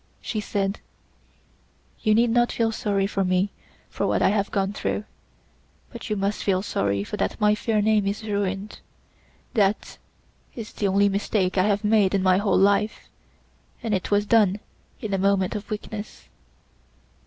She said: "You need not feel sorry for me for what I have gone through; but you must feel sorry that my fair name is ruined. That is the only mistake I have made in my whole life and it was done in a moment of weakness.